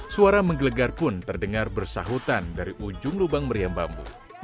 suara menggelegar pun terdengar bersahutan dari ujung lubang meriam bambu